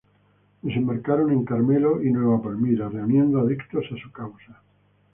Desembarcaron en Carmelo y Nueva Palmira, reuniendo adictos a su causa.